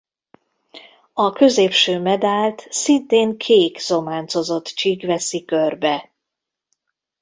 A középső medált szintén kék zománcozott csík veszi körbe.